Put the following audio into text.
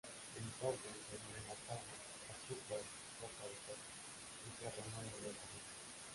Entonces se añade más agua, azúcar y salsa de soja, y se remueve lentamente.